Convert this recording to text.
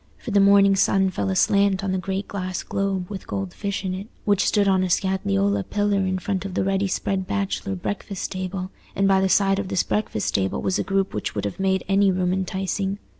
For the morning sun fell aslant on the great glass globe with gold fish in it, which stood on a scagliola pillar in front of the ready spread bachelor breakfast table, and by the side of this breakfast table was a group which would have made any room enticing.